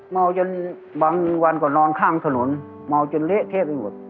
เมาจนบางวันก็นอนข้างถนนเมาจนเละเทะไปหมด